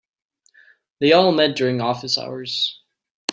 They all met during office hours.